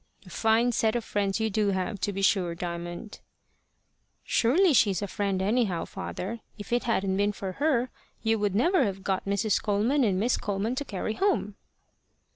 "A fine set of friends you do have, to be sure, Diamond!" "Surely she's a friend anyhow, father. If it hadn't been for her, you would never have got Mrs. Coleman and Miss Coleman to carry home."